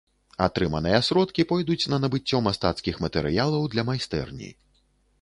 Атрыманыя сродкі пойдуць на набыццё мастацкіх матэрыялаў для майстэрні.